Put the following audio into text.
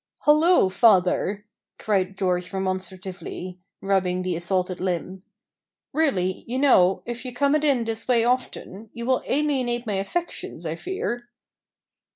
"Hallo! father," cried George remonstratively, rubbing the assaulted limb; "really, you know, if you come it in this way often, you will alienate my affections, I fear."